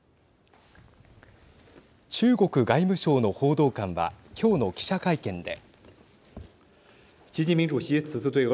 中国外務省の報道官は今日の記者会見で。